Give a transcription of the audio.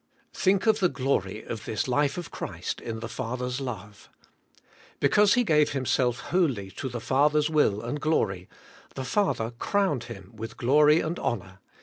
Think of the glory of this life of Christ in the Father's love. Because He gave Himself wholly to the Father's will and glory, the Father crowned Him with glory and honour.